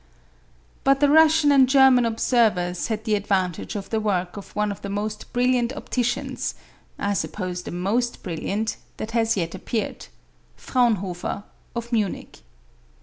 But the Russian and German observers had the advantage of the work of one of the most brilliant opticians I suppose the most brilliant that has yet appeared: Fraunhofer, of Munich.